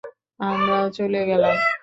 আমরাও চলে গেলাম।